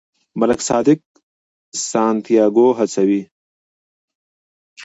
ملک صادق سانتیاګو هڅوي.